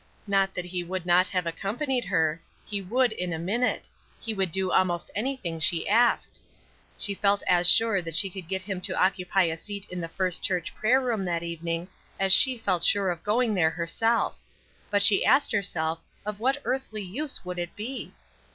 Not that he would not have accompanied her; he would in a minute; he would do almost anything she asked; she felt as sure that she could get him to occupy a seat in the First Church prayer room that evening as she felt sure of going there herself; but she asked herself, of what earthly use would it be?